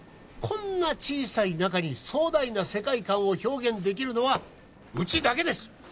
こんな小さい中に壮大な世界観を表現できるのはうちだけです